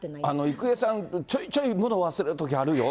郁恵さん、ちょいちょいもの忘れることあるよ。